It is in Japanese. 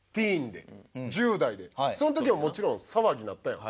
その時はもちろん騒ぎになったやん。